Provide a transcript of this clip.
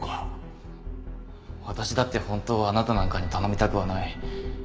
私だって本当はあなたなんかに頼みたくはない。